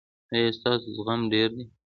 ایا ستاسو زغم ډیر دی؟